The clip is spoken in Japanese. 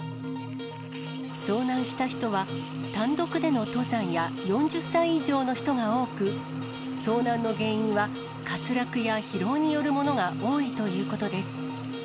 遭難した人は、単独での登山や、４０歳以上の人が多く、遭難の原因は、滑落や疲労によるものが多いということです。